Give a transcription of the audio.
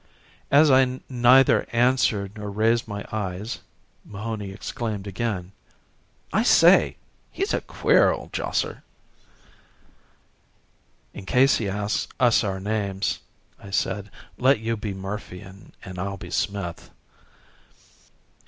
As I neither answered nor raised my eyes Mahony exclaimed again: "I say.... He's a queer old josser!" "In case he asks us for our names," I said, "let you be Murphy and I'll be Smith."